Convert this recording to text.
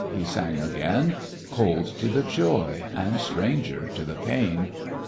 he sang again, Cold to the joy, and stranger to the pain.